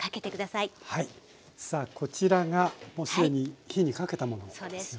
さあこちらがもう既に火にかけたものですよね。